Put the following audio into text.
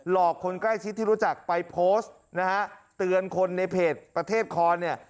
อกคนใกล้ชิดที่รู้จักไปโพสต์นะฮะเตือนคนในเพจประเทศคอนเนี่ย